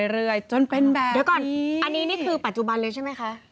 เดี๋ยวก่อนอันนี้คือปัจจุบันเลยใช่ไหมคะ